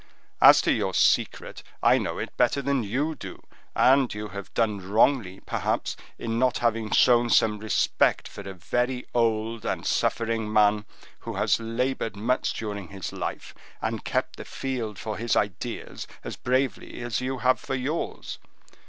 As to your secret, I know it better than you do; and you have done wrongly, perhaps, in not having shown some respect for a very old and suffering man, who has labored much during his life, and kept the field for his ideas as bravely as you have for yours.